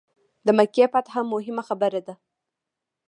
د مکې فتح موهمه خبره ده.